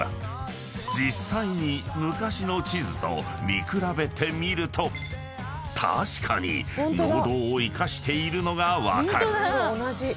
［実際に昔の地図と見比べてみると確かに農道を生かしているのが分かる］